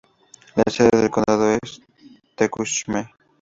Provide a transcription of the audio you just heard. La sede del condado es Tecumseh.